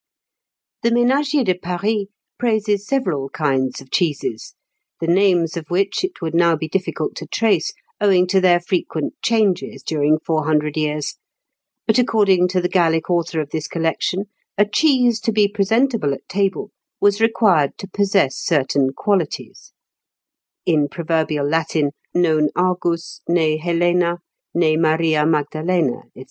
The "Ménagier de Paris" praises several kinds of cheeses, the names of which it would now be difficult to trace, owing to their frequent changes during four hundred years; but, according to the Gallic author of this collection, a cheese to be presentable at table, was required to possess certain qualities (in proverbial Latin, "Non Argus, nee Helena, nee Maria Magdalena," &c.)